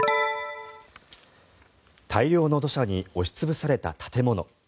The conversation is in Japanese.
大量の土砂に押し潰された建物。